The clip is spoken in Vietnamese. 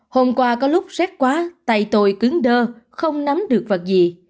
hôm qua có lúc xét quá tay tôi cứng đơ không nắm được vật gì